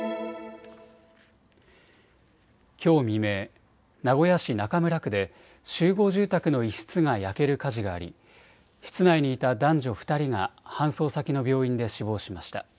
きょう未明、名古屋市中村区で集合住宅の一室が焼ける火事があり室内にいた男女２人が搬送先の病院で死亡しました。